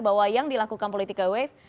bahwa yang dilakukan politika wave